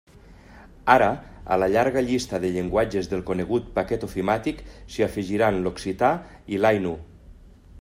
Ara, a la llarga llista de llenguatges del conegut paquet ofimàtic s'hi afegiran l'occità i l'ainu.